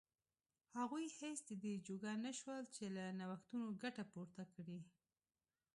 هغوی هېڅ د دې جوګه نه شول چې له نوښتونو ګټه پورته کړي.